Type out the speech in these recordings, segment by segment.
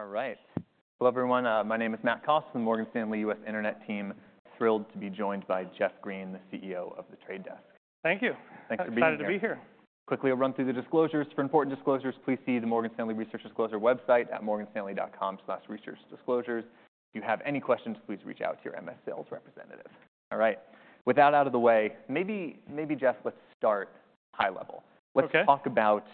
All right. Hello, everyone. My name is Matt Cost from Morgan Stanley US Internet Team. Thrilled to be joined by Jeff Green, the CEO of The Trade Desk. Thank you. Thanks for being here. Excited to be here. Quickly, I'll run through the disclosures. For important disclosures, please see the Morgan Stanley Research Disclosure website at morganstanley.com/researchdisclosures. If you have any questions, please reach out to your MS sales representative. All right, with that out of the way, maybe, maybe, Jeff, let's start high level. Okay. Let's talk about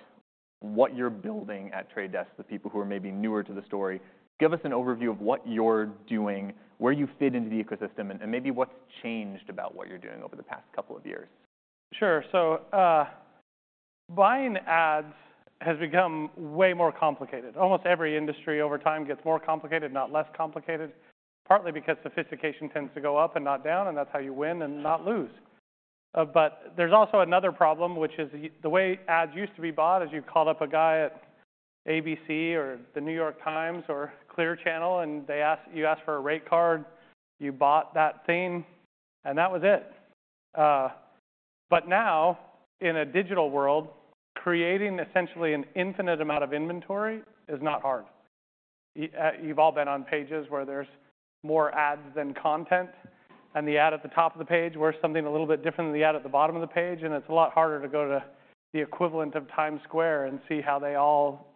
what you're building at The Trade Desk to people who are maybe newer to the story. Give us an overview of what you're doing, where you fit into the ecosystem, and maybe what's changed about what you're doing over the past couple of years. Sure. So, buying ads has become way more complicated. Almost every industry, over time, gets more complicated, not less complicated, partly because sophistication tends to go up and not down, and that's how you win and not lose. But there's also another problem, which is the way ads used to be bought is you called up a guy at ABC or The New York Times or Clear Channel, and you asked for a rate card, you bought that thing, and that was it. But now, in a digital world, creating essentially an infinite amount of inventory is not hard. You've all been on pages where there's more ads than content, and the ad at the top of the page where something a little bit different than the ad at the bottom of the page, and it's a lot harder to go to the equivalent of Times Square and see how they all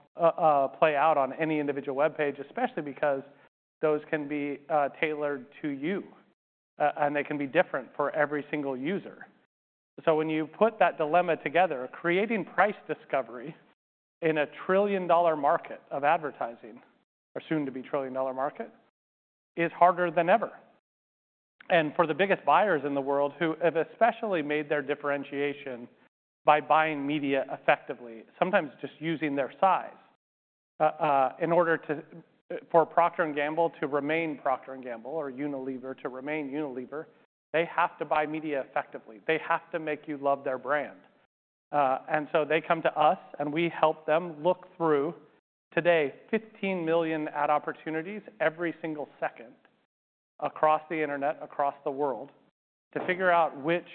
play out on any individual web page, especially because those can be tailored to you, and they can be different for every single user. So when you put that dilemma together, creating price discovery in a trillion-dollar market of advertising, or soon to be trillion-dollar market, is harder than ever. And for the biggest buyers in the world, who have especially made their differentiation by buying media effectively, sometimes just using their size in order to... For Procter & Gamble to remain Procter & Gamble or Unilever to remain Unilever, they have to buy media effectively. They have to make you love their brand. And so they come to us, and we help them look through, today, 15 million ad opportunities every single second across the internet, across the world, to figure out which,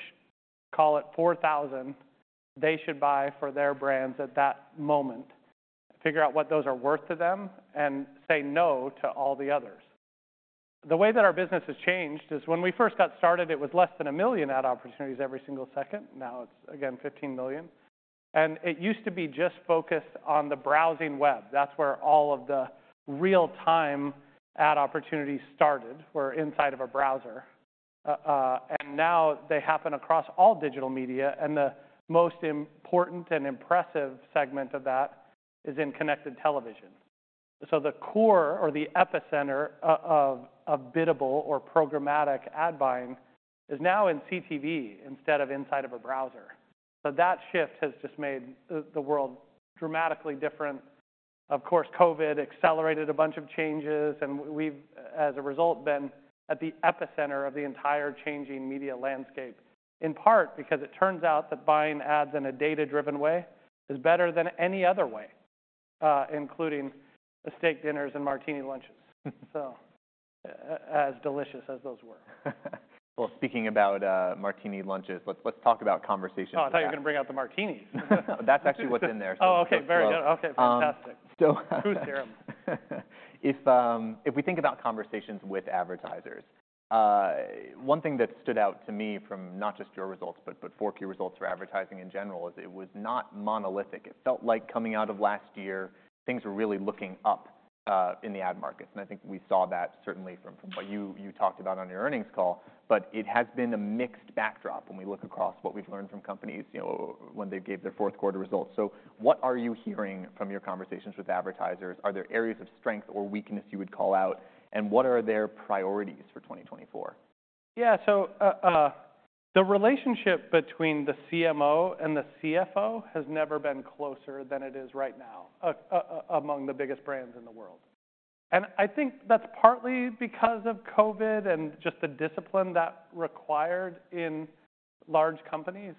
call it 4,000, they should buy for their brands at that moment, figure out what those are worth to them, and say no to all the others. The way that our business has changed is when we first got started, it was less than 1 million ad opportunities every single second. Now, it's, again, 15 million, and it used to be just focused on the browsing web. That's where all of the real-time ad opportunities started, were inside of a browser. and now they happen across all digital media, and the most important and impressive segment of that is in connected television. So the core or the epicenter of biddable or programmatic ad buying is now in CTV instead of inside of a browser. So that shift has just made the world dramatically different. Of course, COVID accelerated a bunch of changes, and we've, as a result, been at the epicenter of the entire changing media landscape, in part because it turns out that buying ads in a data-driven way is better than any other way, including the steak dinners and martini lunches. So as delicious as those were. Well, speaking about martini lunches, let's, let's talk about conversations- Oh, I thought you were gonna bring out the martinis. That's actually what's in there. Oh, okay. Very good. Okay, fantastic. So, Who's counting? If we think about conversations with advertisers, one thing that stood out to me from not just your results, but 4Q results for advertising in general, is it was not monolithic. It felt like coming out of last year, things were really looking up in the ad markets, and I think we saw that certainly from what you talked about on your earnings call. But it has been a mixed backdrop when we look across what we've learned from companies, you know, when they gave their fourth quarter results. So what are you hearing from your conversations with advertisers? Are there areas of strength or weakness you would call out, and what are their priorities for 2024? Yeah, so, the relationship between the CMO and the CFO has never been closer than it is right now, among the biggest brands in the world. And I think that's partly because of COVID and just the discipline that required in large companies.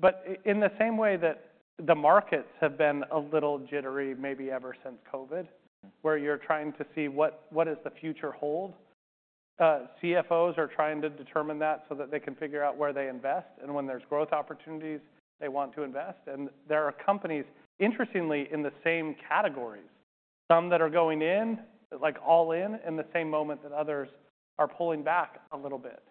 But in the same way that the markets have been a little jittery, maybe ever since COVID-... where you're trying to see what, what does the future hold, CFOs are trying to determine that so that they can figure out where they invest, and when there's growth opportunities, they want to invest. And there are companies, interestingly, in the same categories, some that are going in, like, all in, in the same moment that others are pulling back a little bit.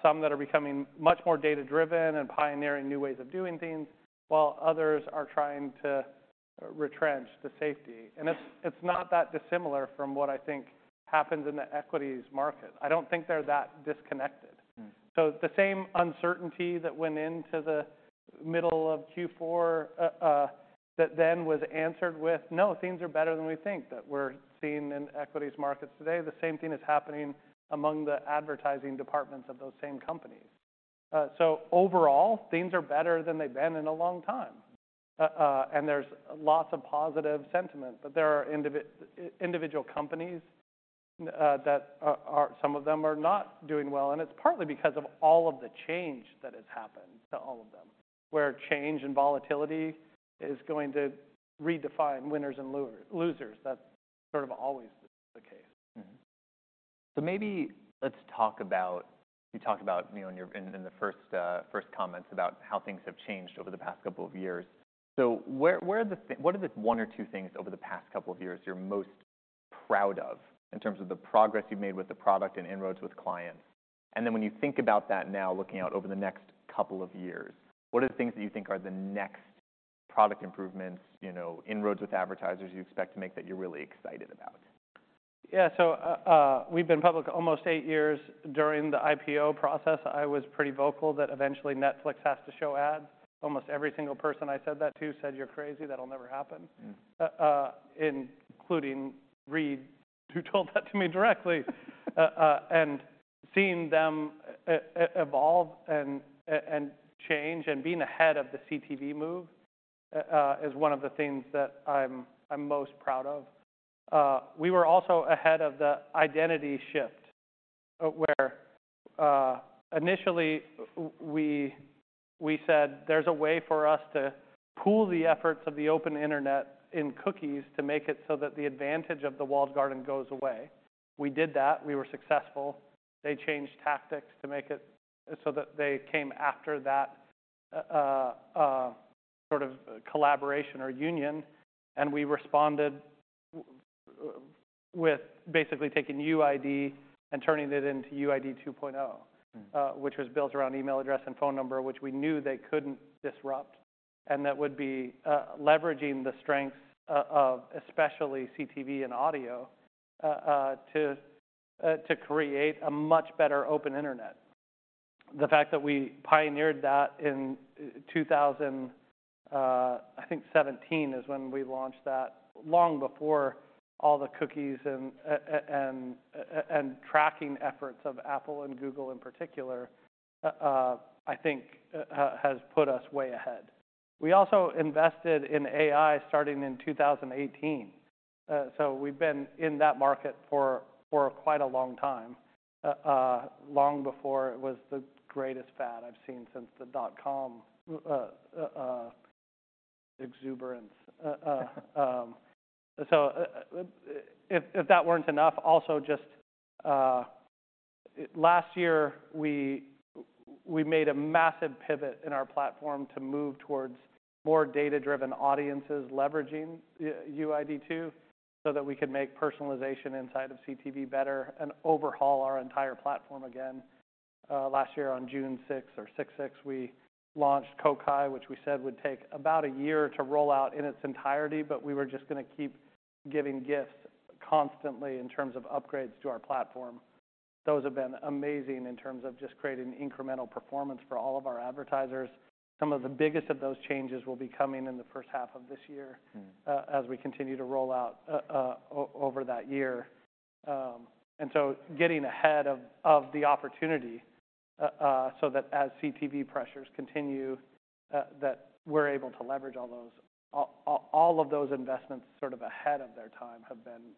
Some that are becoming much more data-driven and pioneering new ways of doing things, while others are trying to retrench to safety. It's not that dissimilar from what I think happens in the equities market. I don't think they're that disconnected. So the same uncertainty that went into the middle of Q4, that then was answered with, "No, things are better than we think," that we're seeing in equities markets today, the same thing is happening among the advertising departments of those same companies. So overall, things are better than they've been in a long time, and there's lots of positive sentiment, but there are individual companies, some of them are not doing well, and it's partly because of all of the change that has happened to all of them, where change and volatility is going to redefine winners and losers. That's sort of always the case.... So maybe let's talk about, you talked about, you know, in your, in, in the first, first comments about how things have changed over the past couple of years. So where, where are the what are the one or two things over the past couple of years you're most proud of in terms of the progress you've made with the product and inroads with clients? And then when you think about that now, looking out over the next couple of years, what are the things that you think are the next product improvements, you know, inroads with advertisers you expect to make that you're really excited about? Yeah, so, we've been public almost eight years. During the IPO process, I was pretty vocal that eventually Netflix has to show ads. Almost every single person I said that to said: "You're crazy, that'll never happen. Including Reed, who told that to me directly. And seeing them evolve and change and being ahead of the CTV move is one of the things that I'm most proud of. We were also ahead of the identity shift, where initially we said: There's a way for us to pool the efforts of the open internet in cookies to make it so that the advantage of the walled garden goes away. We did that. We were successful. They changed tactics to make it so that they came after that sort of collaboration or union, and we responded with basically taking UID and turning it into UID 2.0. which was built around email address and phone number, which we knew they couldn't disrupt, and that would be leveraging the strengths of especially CTV and audio to create a much better open internet. The fact that we pioneered that in 2017, I think, is when we launched that, long before all the cookies and tracking efforts of Apple and Google in particular, I think, has put us way ahead. We also invested in AI starting in 2018, so we've been in that market for quite a long time, long before it was the greatest fad I've seen since the dot-com exuberance. So, if that weren't enough, also just last year, we made a massive pivot in our platform to move towards more data-driven audiences, leveraging UID2, so that we could make personalization inside of CTV better and overhaul our entire platform again. Last year, on June sixth or 6/6, we launched Kokai, which we said would take about a year to roll out in its entirety, but we were just gonna keep giving gifts constantly in terms of upgrades to our platform. Those have been amazing in terms of just creating incremental performance for all of our advertisers. Some of the biggest of those changes will be coming in the first half of this year.... as we continue to roll out over that year. And so getting ahead of the opportunity, so that as CTV pressures continue, that we're able to leverage all those. All of those investments sort of ahead of their time have been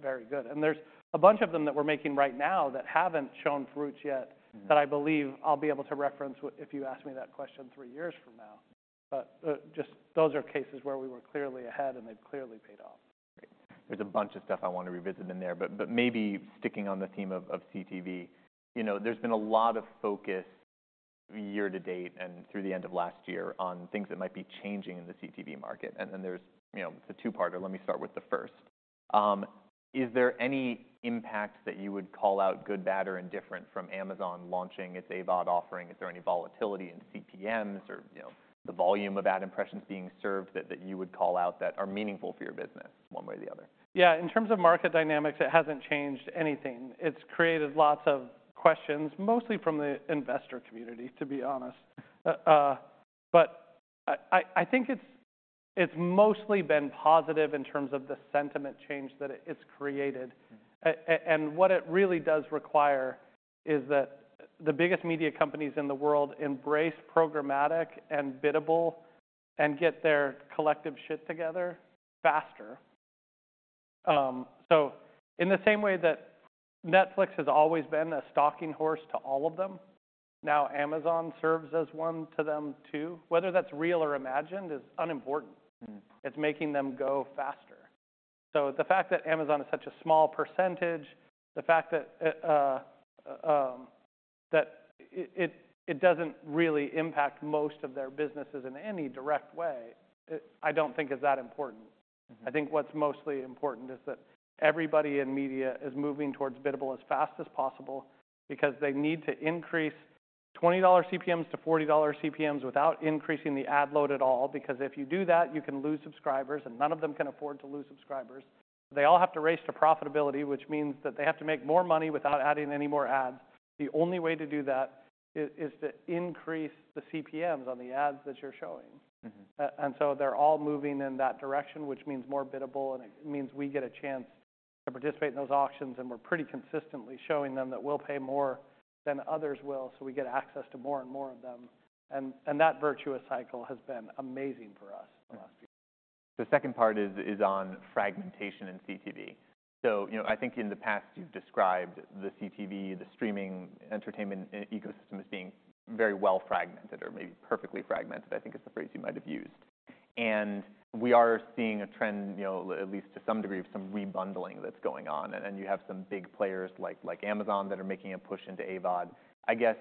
very good. And there's a bunch of them that we're making right now that haven't shown fruits yet-... that I believe I'll be able to reference if you ask me that question three years from now. But, just those are cases where we were clearly ahead, and they've clearly paid off. There's a bunch of stuff I want to revisit in there, but maybe sticking on the theme of CTV, you know, there's been a lot of focus year to date and through the end of last year on things that might be changing in the CTV market. And then there's, you know, it's a two-parter. Let me start with the first. Is there any impact that you would call out good, bad, or indifferent from Amazon launching its AVOD offering? Is there any volatility in CPMs or, you know, the volume of ad impressions being served that you would call out that are meaningful for your business one way or the other? Yeah, in terms of market dynamics, it hasn't changed anything. It's created lots of questions, mostly from the investor community, to be honest. But I think it's mostly been positive in terms of the sentiment change that it's created. What it really does require is that the biggest media companies in the world embrace programmatic and biddable, and get their collective shit together faster. In the same way that Netflix has always been a stalking horse to all of them, now Amazon serves as one to them, too. Whether that's real or imagined is unimportant. It's making them go faster. So the fact that Amazon is such a small percentage, the fact that it doesn't really impact most of their businesses in any direct way, I don't think is that important. I think what's mostly important is that everybody in media is moving towards biddable as fast as possible because they need to increase $20-$40 CPMs without increasing the ad load at all, because if you do that, you can lose subscribers, and none of them can afford to lose subscribers. They all have to race to profitability, which means that they have to make more money without adding any more ads. The only way to do that is to increase the CPMs on the ads that you're showing. and so they're all moving in that direction, which means more biddable, and it means we get a chance to participate in those auctions, and we're pretty consistently showing them that we'll pay more than others will, so we get access to more and more of them. And that virtuous cycle has been amazing for us the last few years. The second part is on fragmentation in CTV. So, you know, I think in the past, you've described the CTV, the streaming entertainment ecosystem, as being very well fragmented or maybe perfectly fragmented, I think is the phrase you might have used... and we are seeing a trend, you know, at least to some degree, of some rebundling that's going on, and you have some big players like Amazon that are making a push into AVOD. I guess,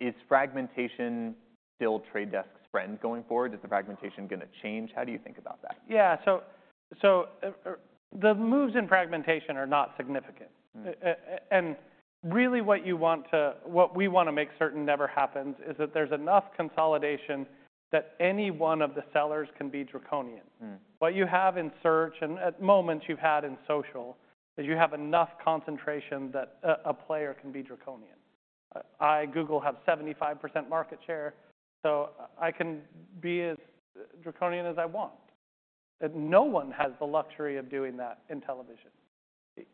is fragmentation still The Trade Desk's friend going forward? Is the fragmentation gonna change? How do you think about that? Yeah, so, the moves in fragmentation are not significant. And really what you want to—what we wanna make certain never happens is that there's enough consolidation that any one of the sellers can be draconian. What you have in search, and at moments you've had in social, is you have enough concentration that a player can be draconian. Like, Google, have 75% market share, so I can be as draconian as I want. And no one has the luxury of doing that in television.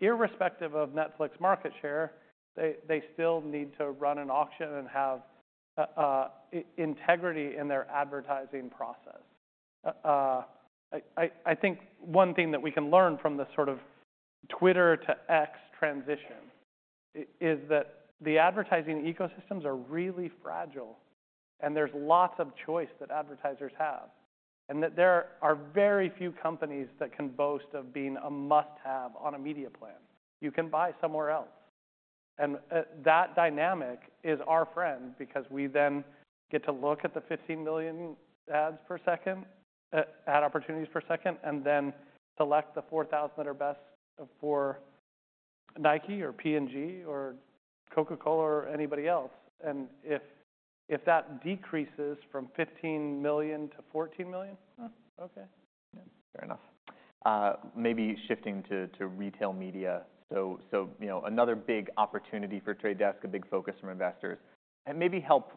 Irrespective of Netflix's market share, they still need to run an auction and have integrity in their advertising process. I think one thing that we can learn from the sort of Twitter to X transition is that the advertising ecosystems are really fragile, and there's lots of choice that advertisers have, and that there are very few companies that can boast of being a must-have on a media plan. You can buy somewhere else. That dynamic is our friend because we then get to look at the 15 million ads per second, ad opportunities per second, and then select the 4,000 that are best for Nike or P&G or Coca-Cola or anybody else. And if that decreases from 15 million to 14 million, okay. Yeah, fair enough. Maybe shifting to retail media. So, you know, another big opportunity for The Trade Desk, a big focus from investors. And maybe help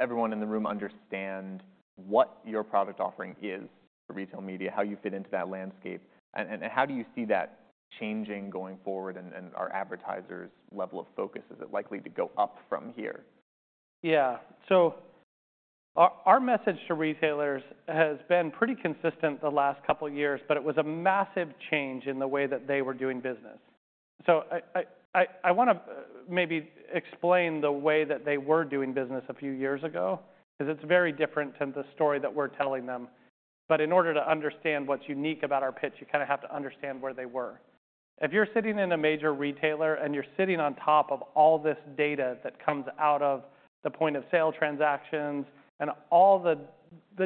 everyone in the room understand what your product offering is for retail media, how you fit into that landscape, and how do you see that changing going forward, and are advertisers' level of focus, is it likely to go up from here? Yeah. So our message to retailers has been pretty consistent the last couple of years, but it was a massive change in the way that they were doing business. So I wanna maybe explain the way that they were doing business a few years ago, 'cause it's very different than the story that we're telling them. But in order to understand what's unique about our pitch, you kinda have to understand where they were. If you're sitting in a major retailer, and you're sitting on top of all this data that comes out of the point-of-sale transactions and all the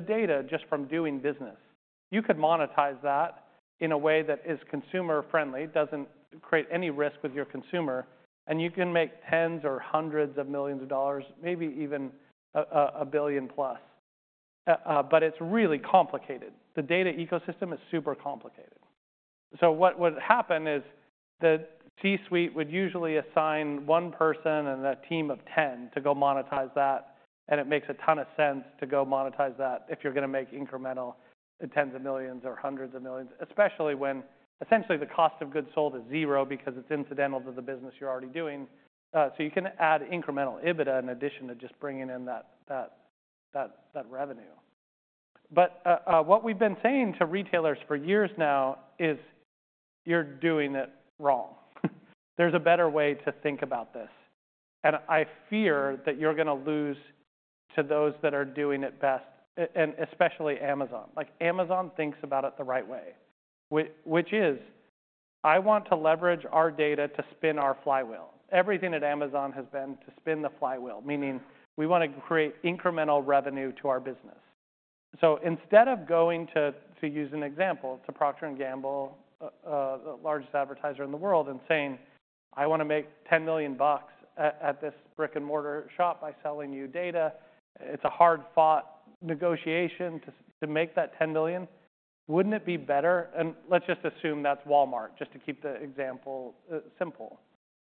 data just from doing business, you could monetize that in a way that is consumer-friendly, doesn't create any risk with your consumer, and you can make tens or hundreds of millions of dollars, maybe even a $1 billion-plus. But it's really complicated. The data ecosystem is super complicated. So what would happen is the C-suite would usually assign one person and a team of 10 to go monetize that, and it makes a ton of sense to go monetize that if you're gonna make incremental tens of millions or hundreds of millions, especially when essentially the cost of goods sold is zero because it's incidental to the business you're already doing, so you can add incremental EBITDA in addition to just bringing in that revenue. But, what we've been saying to retailers for years now is: "You're doing it wrong. There's a better way to think about this, and I fear that you're gonna lose to those that are doing it best, and especially Amazon." Like, Amazon thinks about it the right way, which is, "I want to leverage our data to spin our flywheel." Everything at Amazon has been to spin the flywheel, meaning, "We want to create incremental revenue to our business." So instead of going to, to use an example, to Procter & Gamble, the largest advertiser in the world, and saying, "I wanna make $10 million at this brick-and-mortar shop by selling you data," it's a hard-fought negotiation to make that $10 million. Wouldn't it be better... And let's just assume that's Walmart, just to keep the example simple,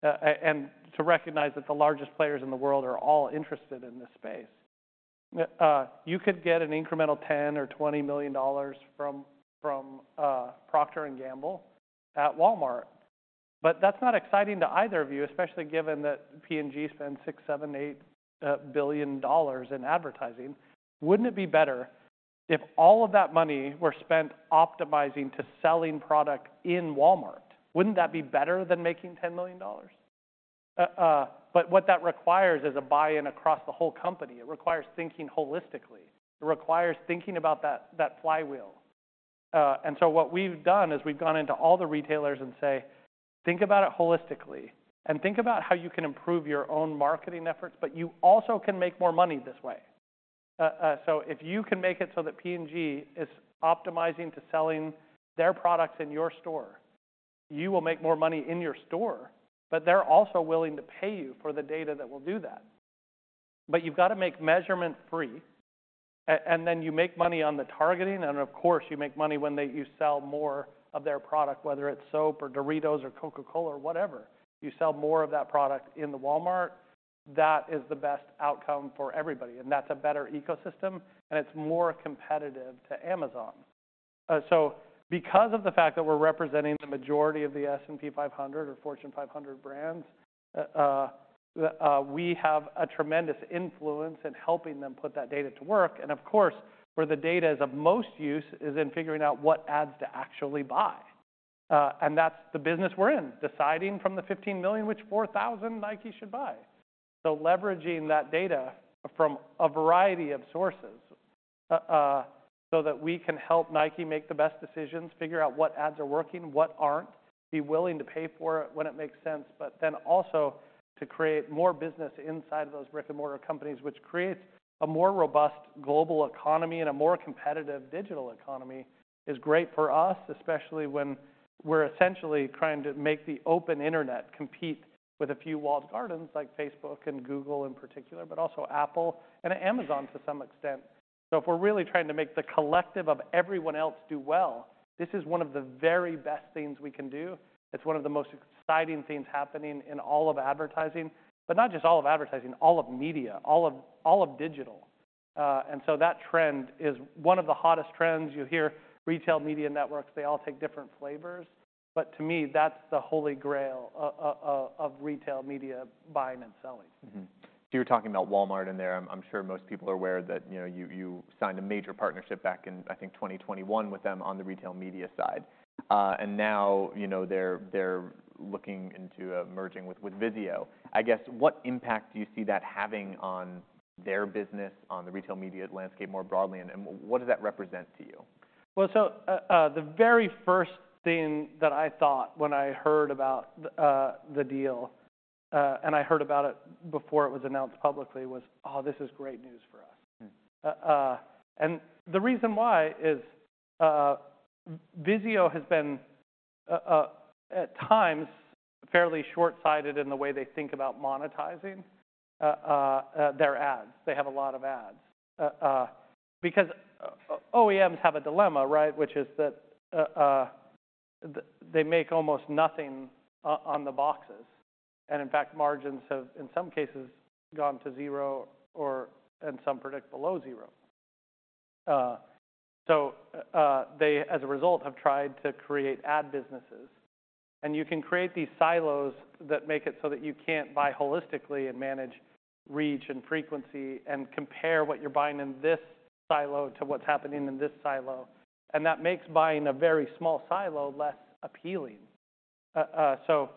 and to recognize that the largest players in the world are all interested in this space. You could get an incremental $10-$20 million from Procter & Gamble at Walmart, but that's not exciting to either of you, especially given that P&G spends $6-$8 billion in advertising. Wouldn't it be better if all of that money were spent optimizing to selling product in Walmart? Wouldn't that be better than making $10 million? But what that requires is a buy-in across the whole company. It requires thinking holistically. It requires thinking about that flywheel. and so what we've done is we've gone into all the retailers and say: "Think about it holistically, and think about how you can improve your own marketing efforts, but you also can make more money this way." so if you can make it so that P&G is optimizing to selling their products in your store, you will make more money in your store, but they're also willing to pay you for the data that will do that. But you've got to make measurement free, and then you make money on the targeting, and of course, you make money when you sell more of their product, whether it's soap or Doritos or Coca-Cola or whatever. You sell more of that product in the Walmart, that is the best outcome for everybody, and that's a better ecosystem, and it's more competitive to Amazon. So because of the fact that we're representing the majority of the S&P 500 or Fortune 500 brands, we have a tremendous influence in helping them put that data to work, and of course, where the data is of most use is in figuring out what ads to actually buy. And that's the business we're in, deciding from the 15 million, which 4,000 Nike should buy. So leveraging that data from a variety of sources, so that we can help Nike make the best decisions, figure out what ads are working, what aren't, be willing to pay for it when it makes sense, but then also to create more business inside of those brick-and-mortar companies, which creates a more robust global economy and a more competitive digital economy, is great for us, especially when we're essentially trying to make the open internet compete with a few walled gardens, like Facebook and Google in particular, but also Apple and Amazon to some extent. So if we're really trying to make the collective of everyone else do well, this is one of the very best things we can do. It's one of the most exciting things happening in all of advertising, but not just all of advertising, all of media, all of digital. That trend is one of the hottest trends. You hear retail media networks, they all take different flavors, but to me, that's the holy grail of retail media buying and selling. So you're talking about Walmart in there. I'm sure most people are aware that, you know, you signed a major partnership back in, I think, 2021 with them on the retail media side. And now, you know, they're looking into merging with Vizio. I guess, what impact do you see that having on their business, on the retail media landscape more broadly, and what does that represent to you? Well, so, the very first thing that I thought when I heard about the deal, and I heard about it before it was announced publicly, was, "Oh, this is great news for us. And the reason why is, Vizio has been, at times, fairly short-sighted in the way they think about monetizing their ads. They have a lot of ads. Because, OEMs have a dilemma, right? Which is that, they make almost nothing on the boxes, and in fact, margins have, in some cases, gone to zero or, and some predict below zero. So, they, as a result, have tried to create ad businesses, and you can create these silos that make it so that you can't buy holistically and manage reach and frequency and compare what you're buying in this silo to what's happening in this silo, and that makes buying a very small silo less appealing. So,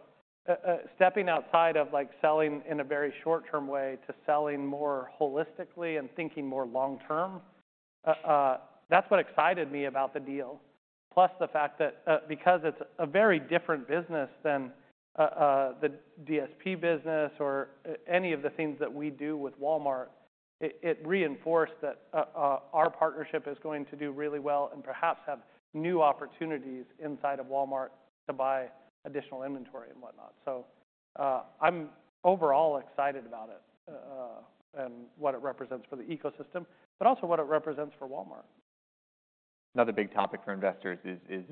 stepping outside of, like, selling in a very short-term way to selling more holistically and thinking more long term, that's what excited me about the deal. Plus, the fact that, because it's a very different business than the DSP business or any of the things that we do with Walmart, it reinforced that our partnership is going to do really well and perhaps have new opportunities inside of Walmart to buy additional inventory and whatnot. So, I'm overall excited about it, and what it represents for the ecosystem, but also what it represents for Walmart. Another big topic for investors is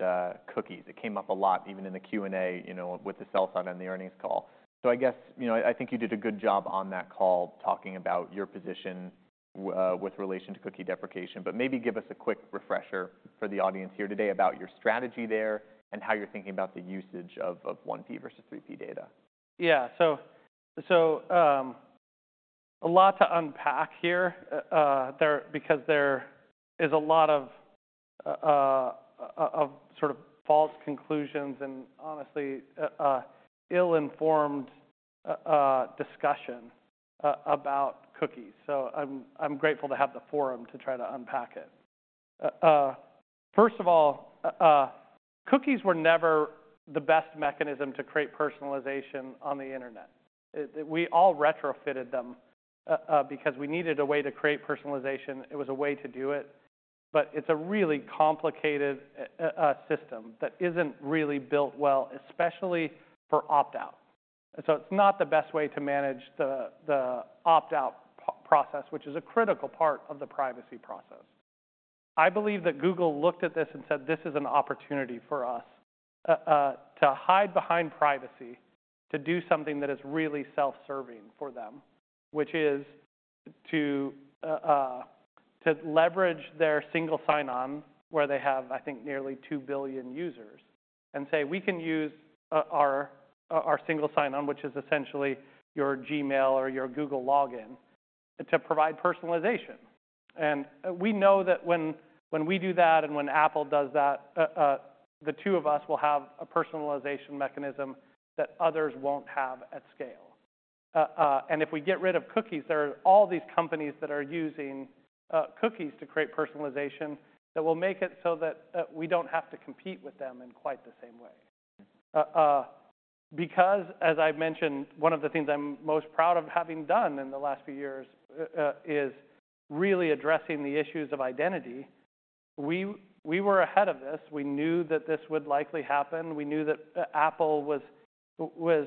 cookies. It came up a lot, even in the Q&A, you know, with the sell side on the earnings call. So I guess, you know, I think you did a good job on that call, talking about your position with relation to cookie deprecation, but maybe give us a quick refresher for the audience here today about your strategy there and how you're thinking about the usage of 1P versus 3P data. Yeah. So, a lot to unpack here, there. Because there is a lot of, of sort of false conclusions and honestly, ill-informed, discussion about cookies, so I'm, I'm grateful to have the forum to try to unpack it. First of all, cookies were never the best mechanism to create personalization on the internet. We all retrofitted them, because we needed a way to create personalization. It was a way to do it, but it's a really complicated, system that isn't really built well, especially for opt-out. So it's not the best way to manage the, the opt-out process, which is a critical part of the privacy process. I believe that Google looked at this and said, "This is an opportunity for us to hide behind privacy," to do something that is really self-serving for them, which is to leverage their Single Sign-On, where they have, I think, nearly two billion users, and say, "We can use our Single Sign-On," which is essentially your Gmail or your Google login, "to provide personalization. We know that when we do that and when Apple does that, the two of us will have a personalization mechanism that others won't have at scale. and if we get rid of cookies, there are all these companies that are using cookies to create personalization that will make it so that we don't have to compete with them in quite the same way." because, as I've mentioned, one of the things I'm most proud of having done in the last few years is really addressing the issues of identity. We were ahead of this. We knew that this would likely happen. We knew that Apple was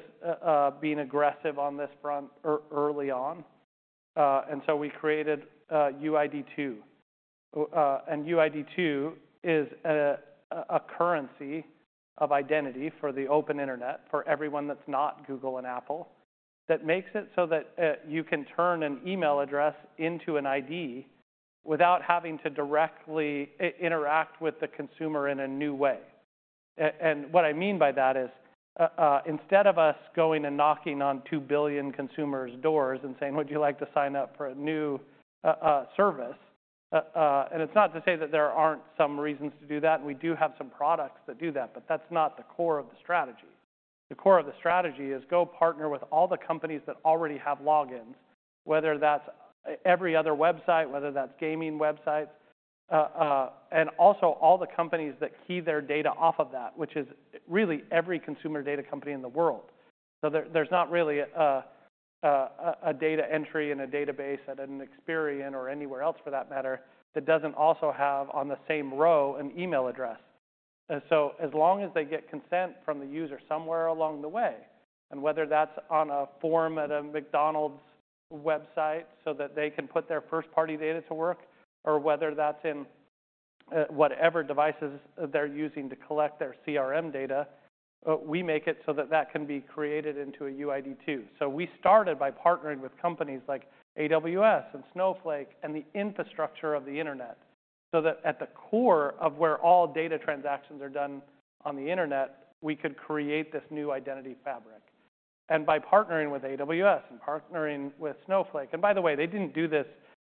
being aggressive on this front early on, and so we created UID2. UID2 is a currency of identity for the open internet, for everyone that's not Google and Apple, that makes it so that you can turn an email address into an ID without having to directly interact with the consumer in a new way. And what I mean by that is, instead of us going and knocking on 2 billion consumers' doors and saying, "Would you like to sign up for a new service?" and it's not to say that there aren't some reasons to do that, and we do have some products that do that, but that's not the core of the strategy. The core of the strategy is go partner with all the companies that already have logins, whether that's every other website, whether that's gaming websites, and also all the companies that key their data off of that, which is really every consumer data company in the world. So there's not really a data entry in a database at an Experian or anywhere else for that matter, that doesn't also have, on the same row, an email address. And so as long as they get consent from the user somewhere along the way, and whether that's on a form at a McDonald's website so that they can put their first-party data to work, or whether that's in whatever devices they're using to collect their CRM data, we make it so that that can be created into a UID2. So we started by partnering with companies like AWS and Snowflake, and the infrastructure of the internet, so that at the core of where all data transactions are done on the internet, we could create this new identity fabric. And by partnering with AWS and partnering with Snowflake... And by the way, they didn't do this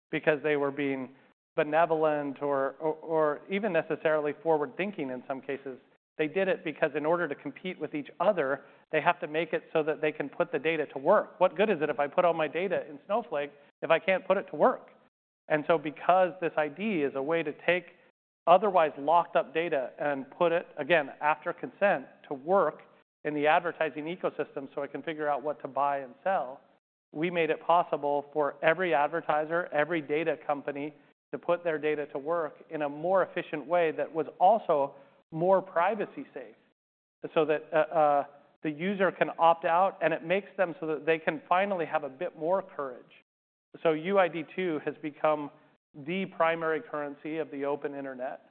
because they were being benevolent or even necessarily forward-thinking in some cases. They did it because in order to compete with each other, they have to make it so that they can put the data to work. What good is it if I put all my data in Snowflake, if I can't put it to work? And so because this ID is a way to take otherwise locked-up data and put it, again, after consent, to work in the advertising ecosystem, so I can figure out what to buy and sell, we made it possible for every advertiser, every data company, to put their data to work in a more efficient way that was also more privacy safe, so that the user can opt out, and it makes them so that they can finally have a bit more courage. So UID2 has become the primary currency of the open internet.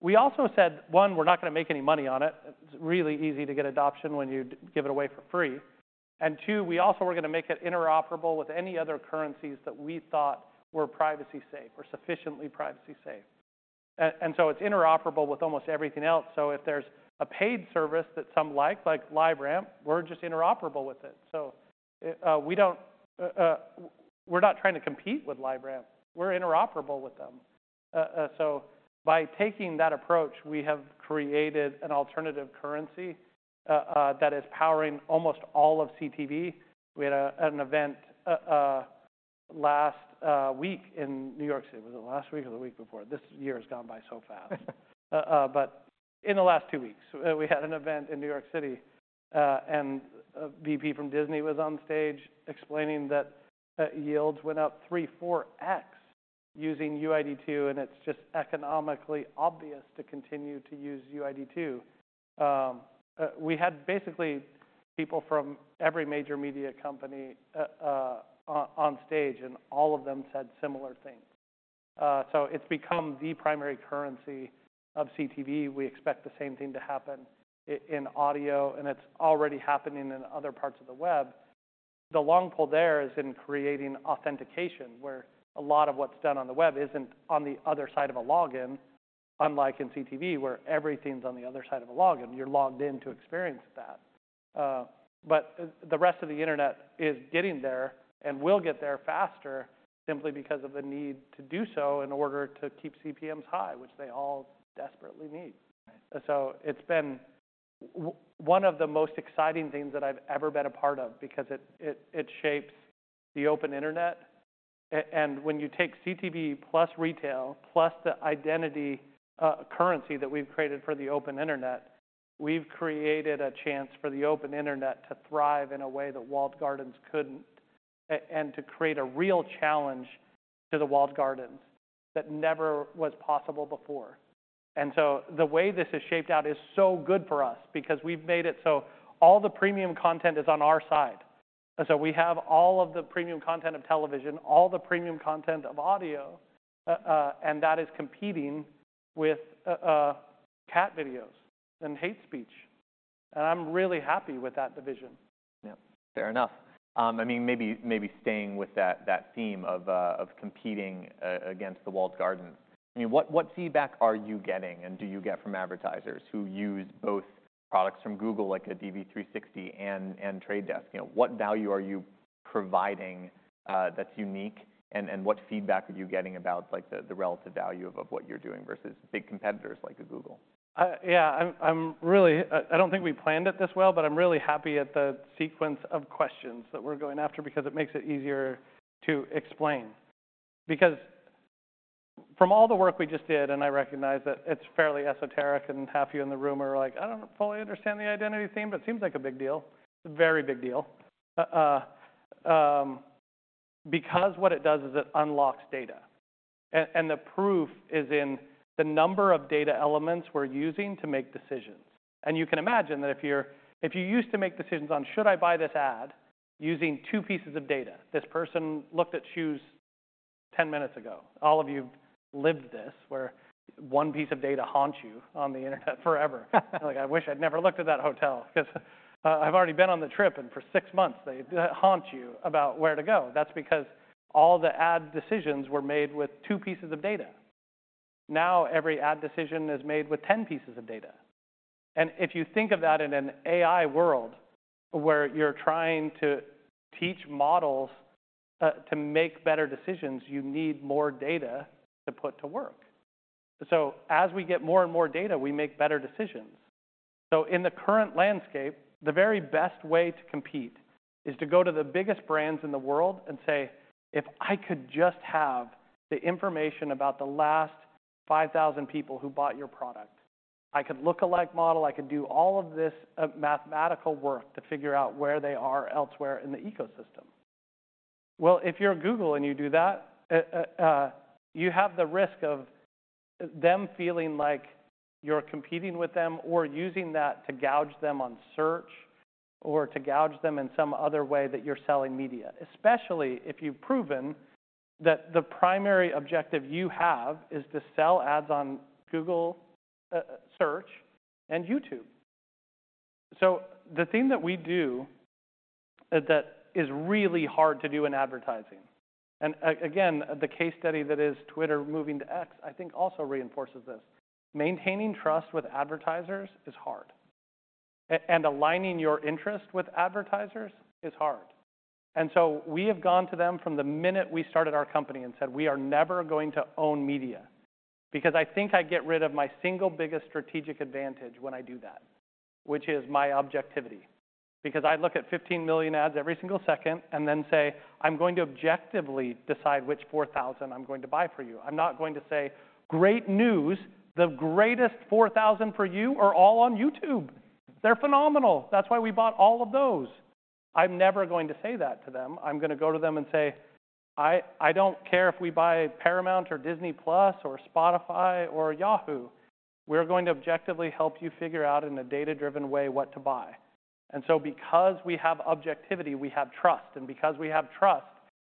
We also said, one, we're not gonna make any money on it. It's really easy to get adoption when you give it away for free. And two, we also were gonna make it interoperable with any other currencies that we thought were privacy safe or sufficiently privacy safe. And so it's interoperable with almost everything else, so if there's a paid service that some like, like LiveRamp, we're just interoperable with it. So, we don't... We're not trying to compete with LiveRamp, we're interoperable with them. So by taking that approach, we have created an alternative currency, that is powering almost all of CTV. We had an event, last week in New York City. Was it last week or the week before? This year has gone by so fast. But in the last two weeks, we had an event in New York City, and a VP from Disney was on stage explaining that, yields went up 3-4x using UID2, and it's just economically obvious to continue to use UID2. We had basically people from every major media company on stage, and all of them said similar things. So it's become the primary currency of CTV. We expect the same thing to happen in audio, and it's already happening in other parts of the web. The long pole there is in creating authentication, where a lot of what's done on the web isn't on the other side of a login, unlike in CTV, where everything's on the other side of a login. You're logged in to experience that. But the rest of the internet is getting there and will get there faster simply because of the need to do so in order to keep CPMs high, which they all desperately need. Right. So it's been one of the most exciting things that I've ever been a part of because it shapes the open internet. And when you take CTV plus retail, plus the identity currency that we've created for the open internet, we've created a chance for the open internet to thrive in a way that walled gardens couldn't, and to create a real challenge to the walled gardens that never was possible before. And so the way this has shaped out is so good for us because we've made it so all the premium content is on our side. And so we have all of the premium content of television, all the premium content of audio, and that is competing with cat videos and hate speech, and I'm really happy with that division. Yeah, fair enough. I mean, maybe staying with that theme of competing against the walled garden, I mean, what feedback are you getting and do you get from advertisers who use both products from Google, like DV360 and The Trade Desk? You know, what value are you providing that's unique, and what feedback are you getting about, like, the relative value of what you're doing versus big competitors like Google? Yeah, I'm really happy at the sequence of questions that we're going after because it makes it easier to explain. Because from all the work we just did, and I recognize that it's fairly esoteric, and half of you in the room are like: "I don't fully understand the identity theme, but it seems like a big deal." It's a very big deal. Because what it does is it unlocks data, and the proof is in the number of data elements we're using to make decisions. And you can imagine that if you used to make decisions on, should I buy this ad, using two pieces of data, this person looked at shoes 10 minutes ago. All of you've lived this, where one piece of data haunts you on the internet forever. Like, I wish I'd never looked at that hotel, 'cause I've already been on the trip, and for six months, they haunt you about where to go. That's because all the ad decisions were made with two pieces of data. Now every ad decision is made with ten pieces of data. And if you think of that in an AI world, where you're trying to teach models to make better decisions, you need more data to put to work. So as we get more and more data, we make better decisions. So in the current landscape, the very best way to compete is to go to the biggest brands in the world and say, "If I could just have the information about the last 5,000 people who bought your product, I could look-alike model, I could do all of this, mathematical work to figure out where they are elsewhere in the ecosystem." Well, if you're Google and you do that, you have the risk of them feeling like you're competing with them or using that to gouge them on search, or to gouge them in some other way that you're selling media, especially if you've proven that the primary objective you have is to sell ads on Google Search and YouTube. So the thing that we do, that is really hard to do in advertising, and again, the case study that is Twitter moving to X, I think also reinforces this: maintaining trust with advertisers is hard, and aligning your interest with advertisers is hard. And so we have gone to them from the minute we started our company and said, "We are never going to own media," because I think I'd get rid of my single biggest strategic advantage when I do that, which is my objectivity. Because I look at 15 million ads every single second and then say, "I'm going to objectively decide which 4,000 I'm going to buy for you." I'm not going to say, "Great news! The greatest 4,000 for you are all on YouTube. They're phenomenal. That's why we bought all of those." I'm never going to say that to them. I'm gonna go to them and say, "I, I don't care if we buy Paramount or Disney+ or Spotify or Yahoo. We're going to objectively help you figure out, in a data-driven way, what to buy." And so because we have objectivity, we have trust, and because we have trust,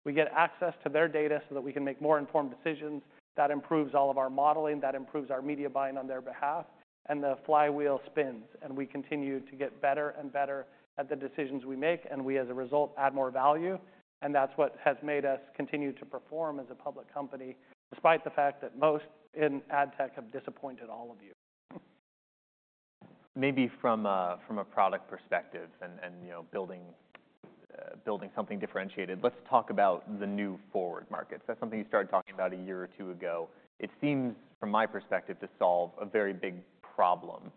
we get access to their data so that we can make more informed decisions. That improves all of our modeling, that improves our media buying on their behalf, and the flywheel spins, and we continue to get better and better at the decisions we make, and we, as a result, add more value, and that's what has made us continue to perform as a public company, despite the fact that most in ad tech have disappointed all of you. Maybe from a product perspective and, you know, building something differentiated, let's talk about the new forward markets. That's something you started talking about a year or two ago. It seems, from my perspective, to solve a very big problem,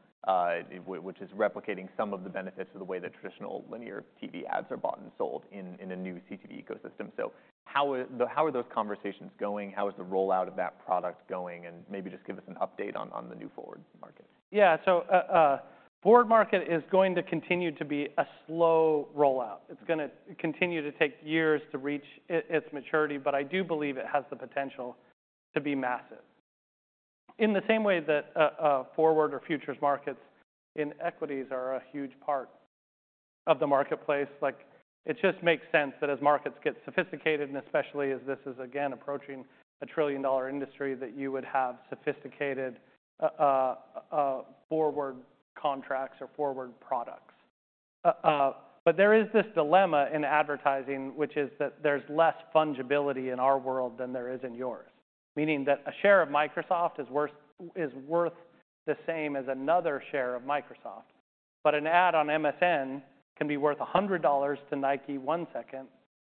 which is replicating some of the benefits of the way that traditional linear TV ads are bought and sold in a new CTV ecosystem. So how are those conversations going? How is the rollout of that product going? And maybe just give us an update on the new forward market. Yeah. So, forward market is going to continue to be a slow rollout. It's gonna continue to take years to reach its maturity, but I do believe it has the potential to be massive. In the same way that a forward or futures markets in equities are a huge part of the marketplace, like, it just makes sense that as markets get sophisticated, and especially as this is, again, approaching a $1 trillion-dollar industry, that you would have sophisticated, forward contracts or forward products. But there is this dilemma in advertising, which is that there's less fungibility in our world than there is in yours, meaning that a share of Microsoft is worth, is worth the same as another share of Microsoft, but an ad on MSN can be worth $100 to Nike 1 second,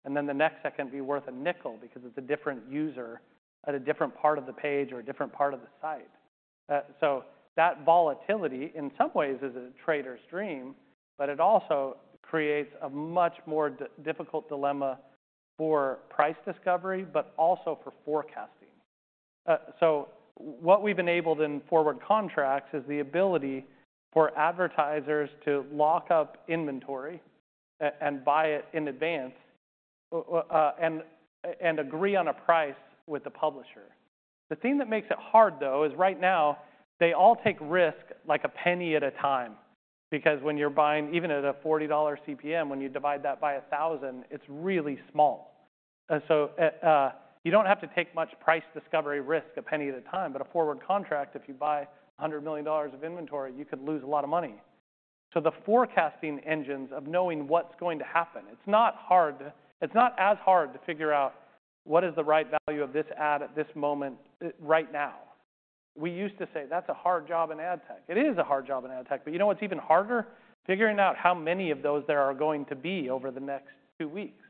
and then the next second be worth $0.05 because it's a different user at a different part of the page or a different part of the site. So that volatility, in some ways, is a trader's dream, but it also creates a much more difficult dilemma for price discovery, but also for forecasting. So what we've enabled in forward contracts is the ability for advertisers to lock up inventory and buy it in advance, and agree on a price with the publisher. The thing that makes it hard, though, is right now, they all take risk, like a penny at a time, because when you're buying... even at a $40 CPM, when you divide that by 1,000, it's really small. And so, you don't have to take much price discovery risk a penny at a time, but a forward contract, if you buy $100 million of inventory, you could lose a lot of money. So the forecasting engines of knowing what's going to happen, it's not hard—it's not as hard to figure out what is the right value of this ad at this moment, right now. We used to say that's a hard job in ad tech. It is a hard job in ad tech, but you know what's even harder? Figuring out how many of those there are going to be over the next two weeks.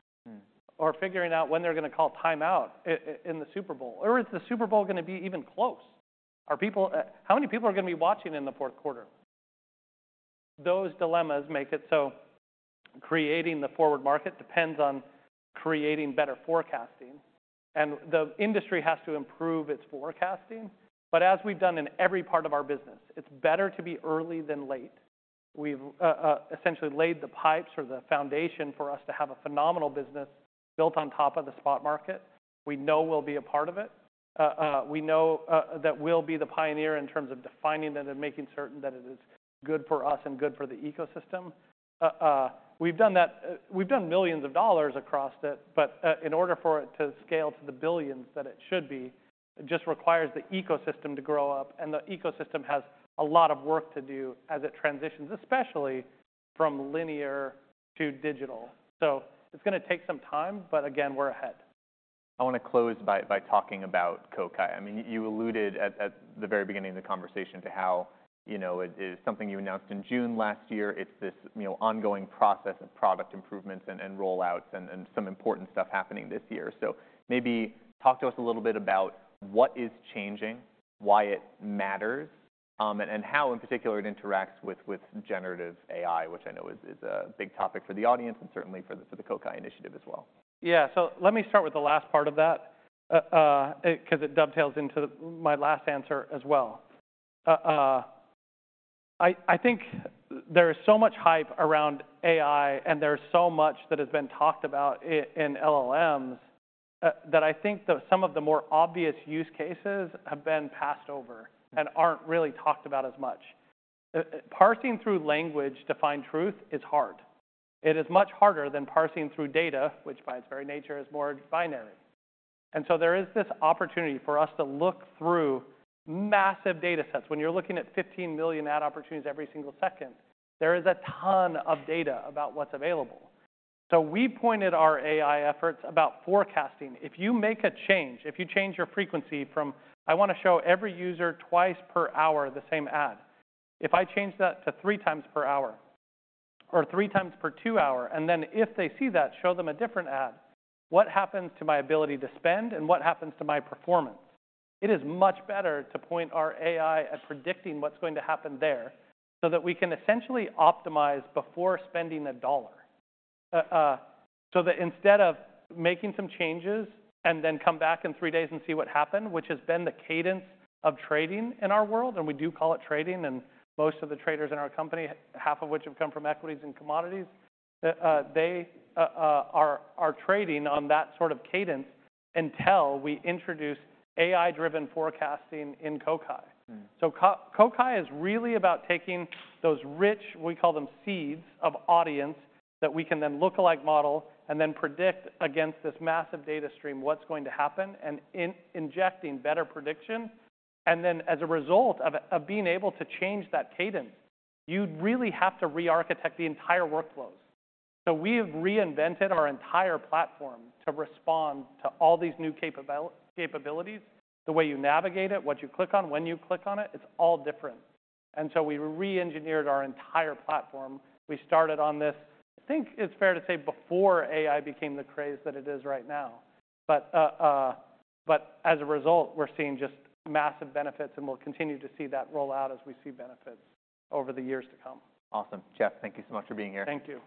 Or figuring out when they're gonna call time out in the Super Bowl, or is the Super Bowl gonna be even close? Are people how many people are gonna be watching in the fourth quarter? Those dilemmas make it so creating the forward market depends on creating better forecasting, and the industry has to improve its forecasting. But as we've done in every part of our business, it's better to be early than late. We've essentially laid the pipes or the foundation for us to have a phenomenal business built on top of the spot market. We know we'll be a part of it. We know that we'll be the pioneer in terms of defining it and making certain that it is good for us and good for the ecosystem. We've done that. We've done $ millions across it, but in order for it to scale to the $ billions that it should be, it just requires the ecosystem to grow up, and the ecosystem has a lot of work to do as it transitions, especially from linear to digital. So it's gonna take some time, but again, we're ahead. I wanna close by talking about Kokai. I mean, you alluded at the very beginning of the conversation to how, you know, it is something you announced in June last year. It's this, you know, ongoing process of product improvements and rollouts and some important stuff happening this year. So maybe talk to us a little bit about what is changing, why it matters, and how in particular it interacts with generative AI, which I know is a big topic for the audience, and certainly for the Kokai initiative as well. Yeah. So let me start with the last part of that, 'cause it dovetails into my last answer as well. I think there is so much hype around AI, and there's so much that has been talked about in LLMs, that I think that some of the more obvious use cases have been passed over and aren't really talked about as much. Parsing through language to find truth is hard. It is much harder than parsing through data, which by its very nature is more binary. And so there is this opportunity for us to look through massive data sets. When you're looking at 15 million ad opportunities every single second, there is a ton of data about what's available. So we pointed our AI efforts about forecasting. If you make a change, if you change your frequency from, I wanna show every user 2 times per hour the same ad, if I change that to 3 times per hour or 3 times per 2 hour, and then if they see that, show them a different ad, what happens to my ability to spend, and what happens to my performance? It is much better to point our AI at predicting what's going to happen there so that we can essentially optimize before spending a dollar. So that instead of making some changes and then come back in three days and see what happened, which has been the cadence of trading in our world, and we do call it trading, and most of the traders in our company, half of which have come from equities and commodities, they are trading on that sort of cadence until we introduce AI-driven forecasting in Kokai. So Kokai is really about taking those rich, we call them seeds, of audience that we can then lookalike model, and then predict against this massive data stream what's going to happen, and then injecting better prediction. And then, as a result of being able to change that cadence, you'd really have to re-architect the entire workflows. So we have reinvented our entire platform to respond to all these new capabilities, the way you navigate it, what you click on, when you click on it, it's all different. And so we re-engineered our entire platform. We started on this, I think it's fair to say, before AI became the craze that it is right now. But as a result, we're seeing just massive benefits, and we'll continue to see that roll out as we see benefits over the years to come. Awesome. Jeff, thank you so much for being here. Thank you.